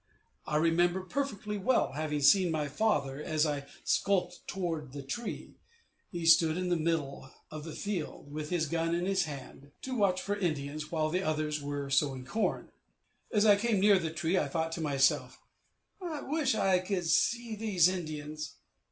I remember perfectly well having seen my father as I skulked toward the tree; he stood in the middle of the field, with his gun in his hand, to watch for Indians, while the others were sowing corn. As I came near the tree, I thought to myself, "I wish I could see these Indians.